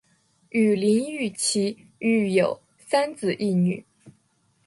与林堉琪育有三子一女。